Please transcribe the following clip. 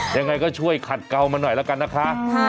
ยังไงก็ช่วยขัดเกามาหน่อยแล้วกันนะคะ